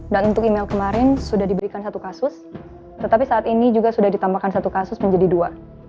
dan untuk email kemarin sudah diberikan satu kasus tetapi saat ini juga sudah ditambahkan satu kasus menjadi dua